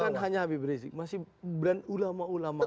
bukan hanya habib rizieq masih ulama ulama lain